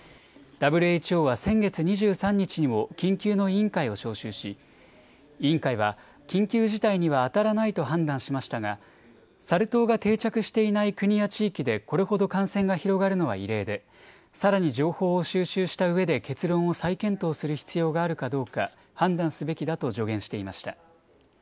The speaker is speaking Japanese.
ＷＨＯは先月２３日にも緊急の委員会を招集し委員会は緊急事態にはあたらないと判断しましたがサル痘が定着していない国や地域でこれほど感染が広がるのは異例で、さらに情報を収集したうえで結論を再検討する必要があるかどうか判断すべきだと助言していました。